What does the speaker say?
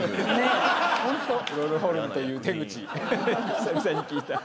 久々に聞いた。